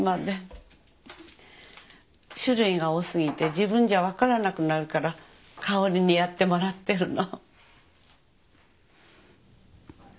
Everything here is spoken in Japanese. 種類が多過ぎて自分じゃ分からなくなるから香織にやってもらってるの。